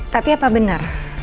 tapi apa benar